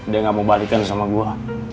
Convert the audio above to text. dia gak mau balikin sama gue